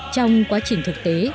trong quá trình thực tế